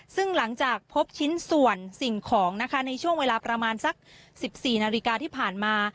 ซึ่งหลังจากพบชิ้นส่วนสิ่งของนะคะในช่วงเวลาประมาณสัก๑๔นาฬิกาที่ผ่านมา